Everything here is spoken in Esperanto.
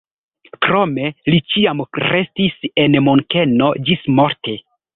Krome li ĉiam restis en Munkeno ĝismorte.